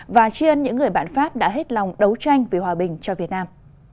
và chiên những người bạn pháp đã hết lòng đấu tranh vì hòa bình cho việt nam